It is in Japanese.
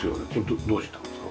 どうしたんですか？